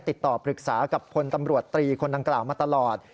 ติดต่อปรึกษากับพลตำรวจตรีคนดังกล่าวมาตลอด